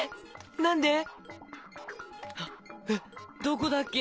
何で⁉どこだっけ？